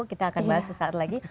kita akan bahas sesaat lagi